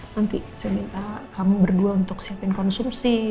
nanti saya minta kamu berdua untuk siapin konsumsi